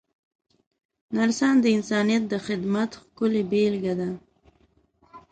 نرسان د انسانیت د خدمت ښکلې بېلګه ده.